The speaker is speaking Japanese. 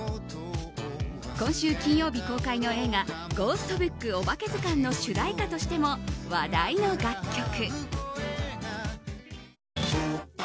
今週、金曜日公開の映画「ゴーストブックおばけずかん」の主題歌としても話題の楽曲。